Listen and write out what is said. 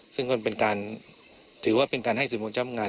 ซึ่งก็เป็นการถือว่าเป็นการให้สื่อมวลชนงาน